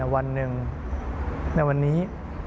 วันหนึ่งในวันนี้